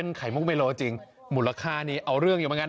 ถ้าเป็นไข่มุกเมโลจริงมูลค้านี้เอาเรื่องอยู่บ้างนะ